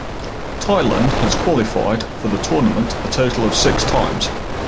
Thailand has qualified for the tournament a total of six times.